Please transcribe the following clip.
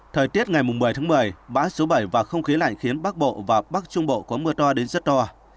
thời tiết ngày một mươi tháng một mươi bão số bảy và không khí lạnh khiến bắc bộ và bắc trung bộ có mưa to đến rất to